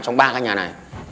trong ba cái nhà này